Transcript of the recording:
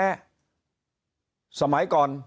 เพราะสุดท้ายก็นำไปสู่การยุบสภา